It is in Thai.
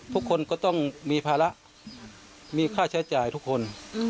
ทุกคนก็ต้องมีภาระมีค่าใช้จ่ายทุกคน